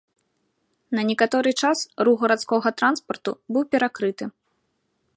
На некаторы час рух гарадскога транспарту быў перакрыты.